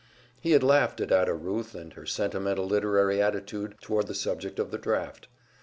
He had laughed at Ada Ruth and her sentimental literary attitude toward the subject of the draft.